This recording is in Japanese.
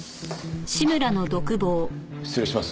失礼します。